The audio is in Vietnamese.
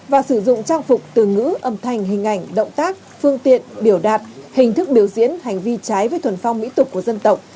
và sử dụng trang phục từ ngữ âm thanh hình ảnh động tác phương tiện biểu đạt hình thức biểu diễn hành vi trái với thuần phong mỹ tục của dân tộc